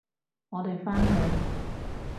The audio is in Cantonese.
我哋返去！